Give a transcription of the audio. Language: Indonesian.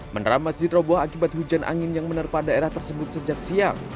menara masjid roboh akibat hujan angin yang menerpa daerah tersebut sejak siang